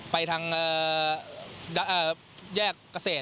ไปทางเอ่ออ่าแยกเกษตรครับ